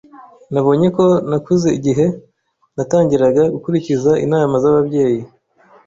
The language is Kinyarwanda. Nabonye ko nakuze igihe natangiraga gukurikiza inama z'ababyeyi.